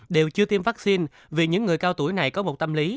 đều chưa tiêm vaccine vì những người cao tuổi này có một tâm lý